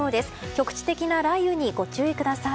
局地的な雷雨にご注意ください。